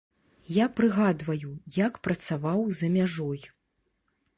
Я прыгадваю, як працаваў за мяжой.